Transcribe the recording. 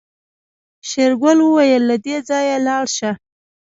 شېرګل وويل له دې ځايه لاړه شه.